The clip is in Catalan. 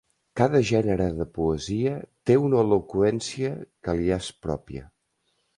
Cada gènere de poesia té una eloqüència que li és pròpia.